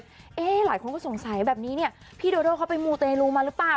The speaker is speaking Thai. หลายคนก็สงสัยแบบนี้เนี่ยพี่โดโดเขาไปมูเตลูมาหรือเปล่า